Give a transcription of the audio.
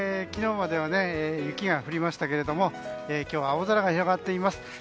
昨日までは雪が降りましたけども今日は青空が広がっています。